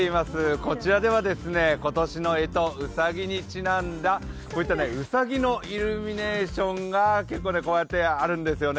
こちらでは今年のえと、うさぎにちなんだ、うさぎのイルミネーションがあるんですよね。